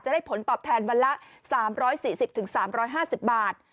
ได้ผลตอบแทนวันละ๓๔๐๓๕๐บาท